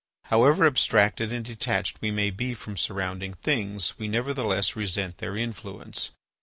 However abstracted and detached we may be from surrounding things, we nevertheless resent their influence.